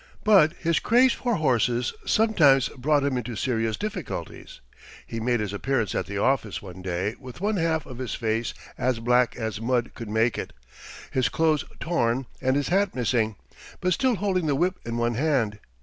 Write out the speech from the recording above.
But his craze for horses sometimes brought him into serious difficulties. He made his appearance at the office one day with one half of his face as black as mud could make it, his clothes torn, and his hat missing, but still holding the whip in one hand.